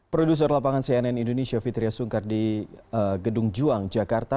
produser lapangan cnn indonesia fitriya sungkar di gedung juang jakarta